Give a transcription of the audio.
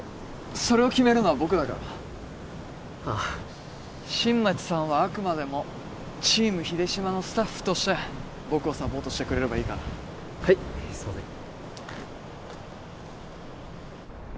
それを決めるのは僕だからああ新町さんはあくまでもチーム秀島のスタッフとして僕をサポートしてくれればいいからはいすいません